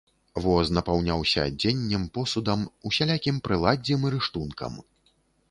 Воз напаўняўся адзеннем, посудам, усялякім прыладдзем і рыштункам.